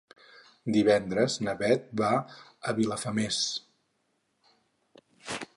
Divendres na Beth va a Vilafamés.